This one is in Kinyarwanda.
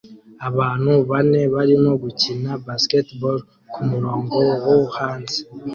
Abantu bane barimo gukina basketball kumurongo wo hanze